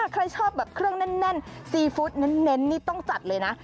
ใครชอบแบบเครื่องแน่นซีฟู้ดเน้นนี่ต้องจัดเลยนะ